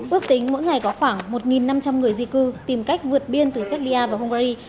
ước tính mỗi ngày có khoảng một năm trăm linh người di cư tìm cách vượt biên từ serbia và hungary